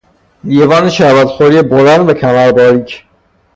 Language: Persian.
لیوان شربت خوری بلند و کمر باریک